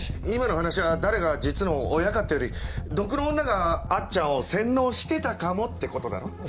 今の話は誰が実の親かってより毒の女があっちゃんを洗脳してたかもってことだろ？